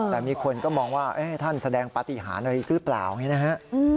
แต่มีคนก็มองว่าท่านแสดงปฏิหารอะไรหรือเปล่าอย่างนี้นะฮะ